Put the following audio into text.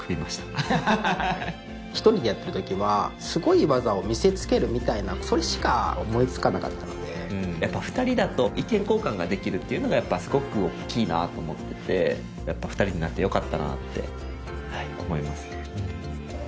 アハハハッ１人でやってるときはすごい技を見せつけるみたいなそれしか思いつかなかったのでやっぱ２人だと意見交換ができるっていうのがやっぱすごく大っきいなと思っててやっぱ２人になってよかったなって思います